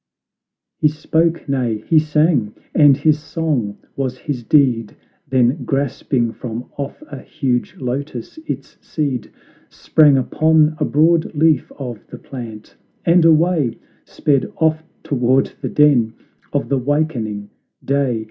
He spoke, nay, he sang, and his song was his deed; Then, grasping from off a huge lotus its seed Sprang upon a broad leaf of the plant, and away Sped off toward the den of the wakening Day.